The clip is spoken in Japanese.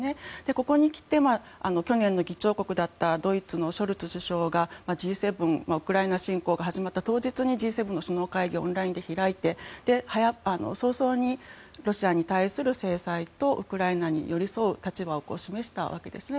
ここにきて、去年の議長国だったドイツのショルツ首相がＧ７、ウクライナ侵攻が始まった当初にオンラインで開いて早々にロシアに対する制裁とウクライナに寄り添う立場を示したわけですよね。